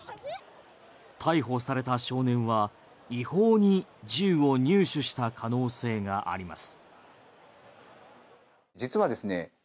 逮捕された少年は違法に銃を入手した可能性があります。